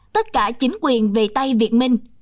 tất cả chính quyền về tay việt minh